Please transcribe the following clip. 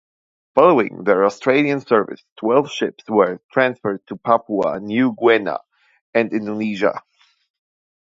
Following their Australian service, twelve ships were transferred to Papua New Guinea and Indonesia.